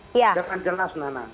selamat malam datang jelas nana